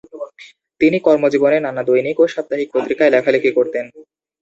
তিনি কর্মজীবনে নানা দৈনিক ও সাপ্তাহিক পত্রিকায় লেখালেখি করতেন।